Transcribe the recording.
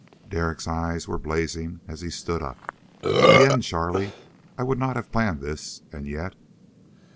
Derek's eyes ware blazing as he stood up. "The end, Charlie! I would not have planned this, and yet...."